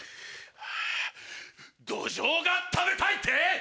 ドジョウが食べたいって？